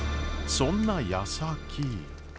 そんなやさき。